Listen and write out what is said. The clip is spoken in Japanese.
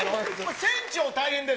船長大変です。